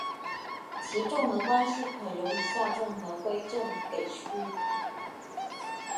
其重合关系可由以下重合矩阵给出。